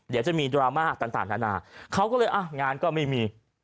เดี๋ยวจะมีดราม่าต่างนานาเขาก็เลยอ่ะงานก็ไม่มี